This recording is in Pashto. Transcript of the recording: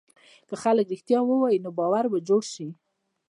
که خلک رښتیا ووایي، نو باور به جوړ شي.